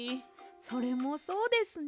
それもそうですね。